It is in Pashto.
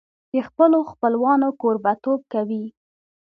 د خپلو خپلوانو کوربهتوب کوي.